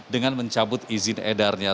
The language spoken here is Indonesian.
dengan mencabut izin edarnya